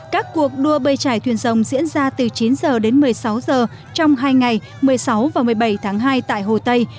các cuộc đua bơi trải thuyền rồng diễn ra từ chín h đến một mươi sáu h trong hai ngày một mươi sáu và một mươi bảy tháng hai tại hồ tây